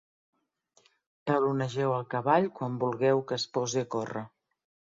Talonegeu el cavall quan vulgueu que es posi a córrer.